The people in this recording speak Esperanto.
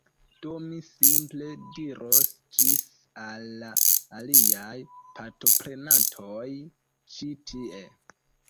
Do, mi simple diros ĝis al la aliaj partoprenantoj ĉi tie